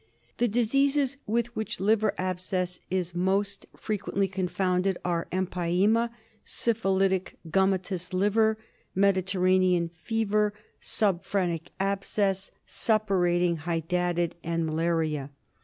The diseases with which liver abscess is most frequently confounded are empyema, syphilitic gum matous liver, Mediterranean fever, subphrenic abscess, sup purating hydatid, malaria.